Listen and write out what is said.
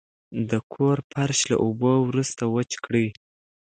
د کور فرش له اوبو وروسته وچ کړئ.